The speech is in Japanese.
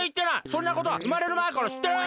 そんなことはうまれるまえからしってる！